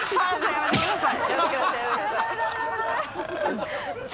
やめてください！